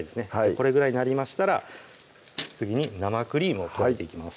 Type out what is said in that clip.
これぐらいになりましたら次に生クリームを加えていきます